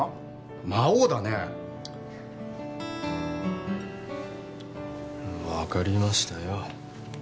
魔王だね分かりましたよ